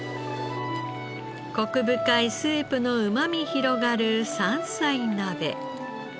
コク深いスープのうまみ広がる酸菜鍋。